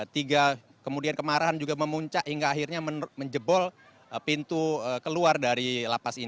tiga kemudian kemarahan juga memuncak hingga akhirnya menjebol pintu keluar dari lapas ini